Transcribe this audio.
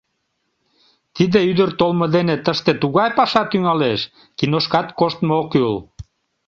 Тиде ӱдыр толмо дене тыште тугай паша тӱҥалеш — киношкат коштмо ок кӱл.